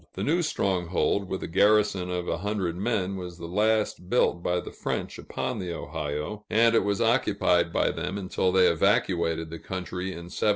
The new stronghold, with a garrison of a hundred men, was the last built by the French upon the Ohio, and it was occupied by them until they evacuated the country in 1763.